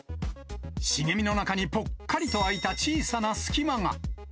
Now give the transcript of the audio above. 茂みの中にぽっかりと空いた小さな隙間が。